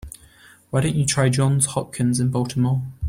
Why don't you try Johns Hopkins in Baltimore?